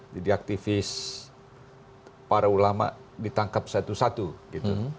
jadi aktivis para ulama ditangkap satu satu gitu